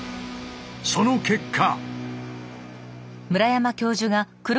その結果！